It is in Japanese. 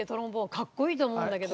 かっこいいと思うんだけど。